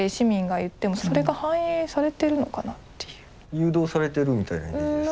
誘導されてるみたいなイメージですか？